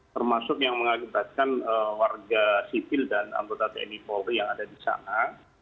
termasuk yang mengakibatkan warga sipil dan ambil tata ini polri yang ada di sana